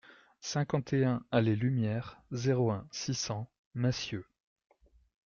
cinquante et un allée Lumière, zéro un, six cents Massieux